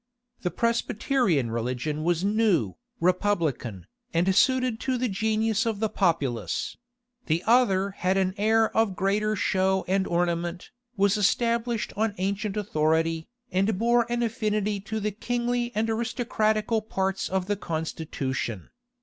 The Presbyterian religion was new, republican, and suited to the genius of the populace: the other had an air of greater show and ornament, was established on ancient authority, and bore an affinity to the kingly and aristocratical parts of the constitution.